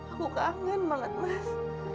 aku kangen banget mas